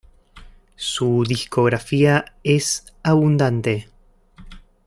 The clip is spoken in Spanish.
Su discografía es abundante.